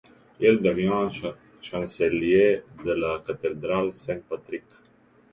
Il devient chancelier de la cathédrale Saint-Patrick.